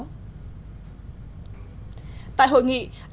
tại hội nghị đại diện trung ương bốn khóa một mươi hai và chỉ thị năm của bộ chính trị